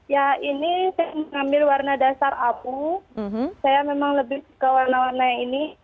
ya ini saya mengambil warna dasar apu saya memang lebih suka warna warna yang ini